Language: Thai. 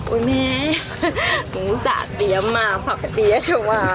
โอ๊ยแม่หนูสะเตี๋ยมากผักเบี้ยชวา